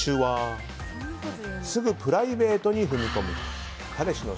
すぐプライベートに踏み込む。